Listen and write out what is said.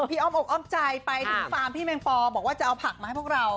อ้อมอกอ้อมใจไปถึงฟาร์มพี่แมงปอบอกว่าจะเอาผักมาให้พวกเรา